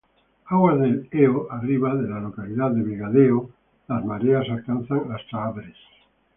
Aguas del Eo arriba de la localidad de Vegadeo, las mareas alcanzan hasta Abres.